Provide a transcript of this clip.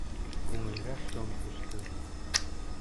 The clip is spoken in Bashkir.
Күңелгә шом төштө.